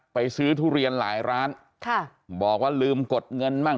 ไปซื้อทุเรียนหลายร้านค่ะบอกว่าลืมกดเงินบ้าง